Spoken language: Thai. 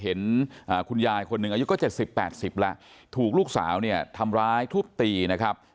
เห็นคุณยายคนหนึ่งอายุก็๗๐๘๐แล้วถูกลูกสาวเนี่ยทำร้ายทุบตีนะครับ